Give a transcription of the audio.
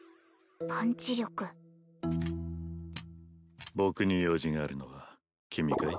パンチ力僕に用事があるのは君かい？